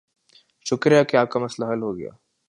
شکر ہے کہ آپ کا مسئلہ حل ہوگیا۔